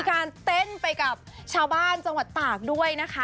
การเต้นไปกับชาวบ้านจังหวัดตากด้วยนะคะ